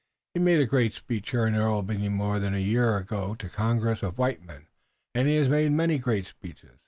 "He made a great speech here in Albany more than a year ago to a congress of white men, and he has made many great speeches.